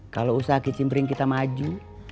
kalau usaha kicim pering kita maju